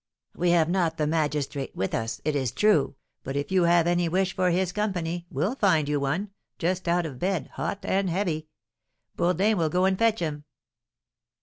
"We have not the magistrate with us, it is true; but if you have any wish for his company, we'll find you one, just out of bed, hot and heavy; Bourdin will go and fetch him."